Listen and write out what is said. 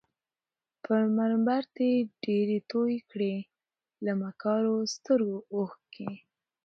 پر منبر دي ډیري توی کړې له مکارو سترګو اوښکي